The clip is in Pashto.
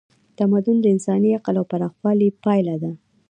تمدن د انساني عقل د پراخوالي پایله ده.